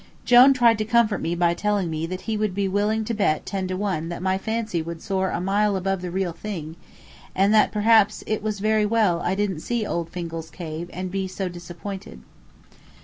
Jone tried to comfort me by telling me that he would be willing to bet ten to one that my fancy would soar a mile above the real thing, and that perhaps it was very well I didn't see old Fingal's Cave and so be disappointed.